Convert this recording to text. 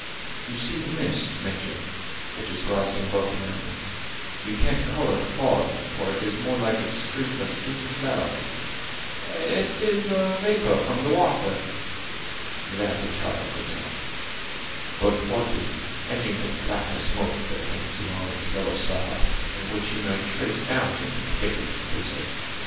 You see the mist, major, that is rising above the island; you can't call it a fog, for it is more like a streak of thin cloud—" "It is vapor from the water." "That a child could tell. But what is the edging of blacker smoke that hangs along its lower side, and which you may trace down into the thicket of hazel?